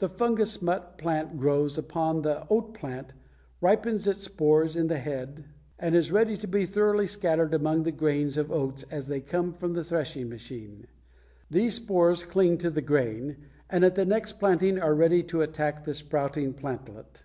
The fungous smut plant grows upon the oat plant, ripens its spores in the head, and is ready to be thoroughly scattered among the grains of the oats as they come from the threshing machine. These spores cling to the grain and at the next planting are ready to attack the sprouting plantlet.